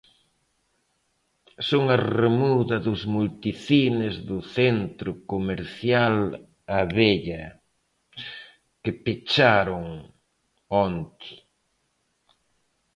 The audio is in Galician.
Son a remuda dos multicines do centro comercial Abella, que pecharon onte.